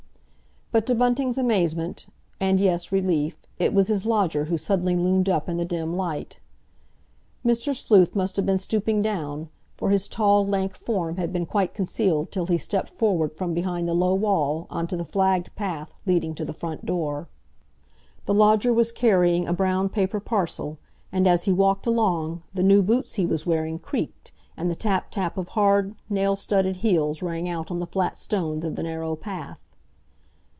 But to Bunting's amazement, and, yes, relief, it was his lodger who suddenly loomed up in the dim light. Mr. Sleuth must have been stooping down, for his tall, lank form had been quite concealed till he stepped forward from behind the low wall on to the flagged path leading to the front door. The lodger was carrying a brown paper parcel, and, as he walked along, the new boots he was wearing creaked, and the tap tap of hard nail studded heels rang out on the flat stones of the narrow path.